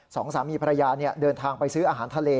สองสามีภรรยาเดินทางไปซื้ออาหารทะเล